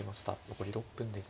残り６分です。